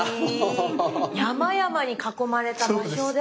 山々に囲まれた場所で。